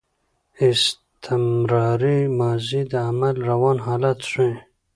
استمراري ماضي د عمل روان حالت ښيي.